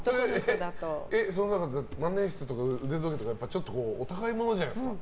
万年筆とか腕時計とかやっぱり、ちょっとお高いものじゃないですか。